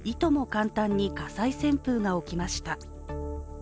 簡単に火災旋風が起きました。